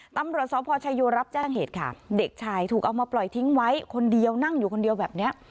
ตำรวจสพชายโยรับแจ้งเหตุค่ะเด็กชายถูกเอามาปล่อยทิ้งไว้คนเดียวนั่งอยู่คนเดียวแบบนี้